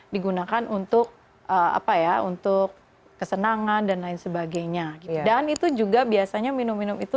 digunakan untuk apa ya untuk kesenangan dan lain sebagainya dan itu juga biasanya minum minum itu